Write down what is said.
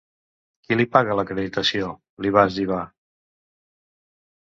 Qui li paga l’acreditació?, li va etzibar.